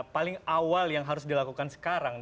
paling awal yang harus dilakukan sekarang